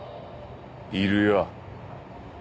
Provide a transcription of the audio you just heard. いるよ。